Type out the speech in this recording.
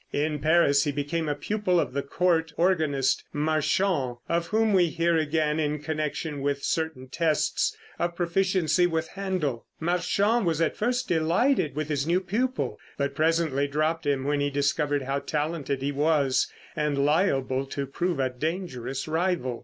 In Paris he became a pupil of the court organist Marchand, of whom we hear again in connection with certain tests of proficiency with Händel. Marchand was at first delighted with his new pupil, but presently dropped him when he discovered how talented he was, and liable to prove a dangerous rival.